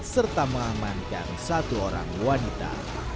serta mengamankan satu orang wanita